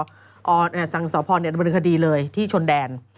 อ๋อทางสรภอร์เป็นคดีเลยที่ชนแดน